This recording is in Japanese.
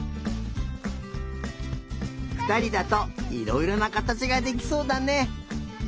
ふたりだといろいろなかたちができそうだね。